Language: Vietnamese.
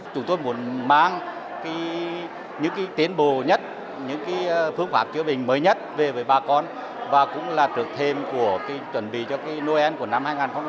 chúng tôi muốn mang những tiến bộ nhất những phương pháp chữa bệnh mới nhất về với bà con và cũng là trước thêm của chuẩn bị cho noel của năm hai nghìn hai mươi